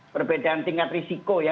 perbedaan tingkat risiko ya